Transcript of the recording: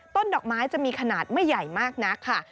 ดอกไม้จะมีขนาดไม่ใหญ่มากนักค่ะ